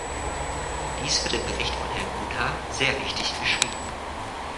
Dies wird im Bericht von Herrn Cunha sehr richtig beschrieben.